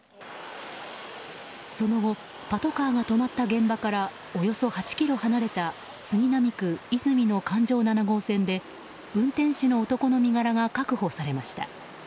その後、パトカーが止まった現場から、およそ８ｋｍ離れた杉並区和泉の環状７号線で運転手の男の身柄が確保されました。